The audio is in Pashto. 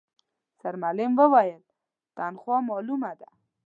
سرمعلم وويل، تنخوا مالومه ده.